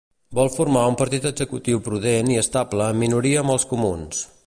Vol formar un executiu prudent i estable en minoria amb els comuns.